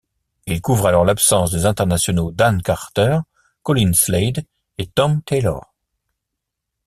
Il couvre alors l'absence des internationaux Dan Carter, Colin Slade et Tom Taylor.